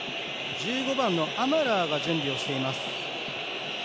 １５番のアマラーが準備をしています。